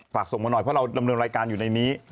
ฝากส่งมาหน่อยเพราะเราดำเนินรายการอยู่ในนี้